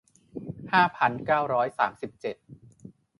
ห้าพันเก้าร้อยสามสิบเจ็ด